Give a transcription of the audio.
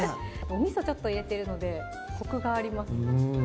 みそちょっと入れてるのでコクがあります